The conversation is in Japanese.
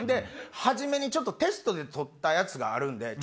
初めにテストで撮ったやつがあるんで。